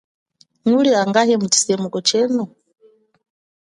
Nuli angahi mutshisemuko chenu ?